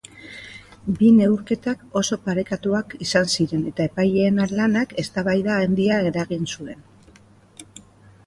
Bi neurketak oso parekatuak izan ziren eta epaileen lanak eztabaida handia eragin zuen.